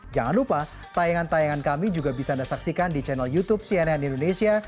jangan lupa tayangan tayangan kami juga bisa anda saksikan di channel youtube cnn indonesia